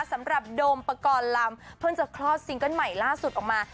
สำหรับโดมประกอดลำเพิ่งจะคลอดซิงเกิ้ลใหม่ล่าสุดออกมา